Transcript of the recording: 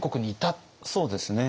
そうですね。